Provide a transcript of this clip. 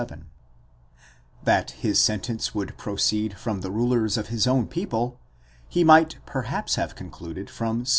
37) ; that his sentence would proceed from the rulers of his own people, he might perhaps have concluded from Ps.